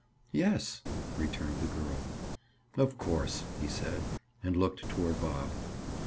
"Yes," returned the girl. "Of course," he said, and looked toward Bob.